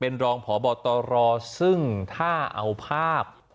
เป็นรองพบตรซึ่งถ้าเอาภาพ